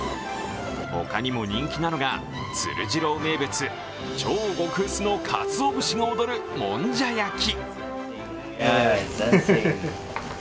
他にも人気なのが、つる次郎名物、超極薄のかつお節が踊るもんじゃ焼き。